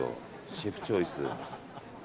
シェフチョイス。